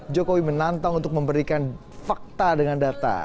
jokowi menantang untuk memberikan fakta dengan data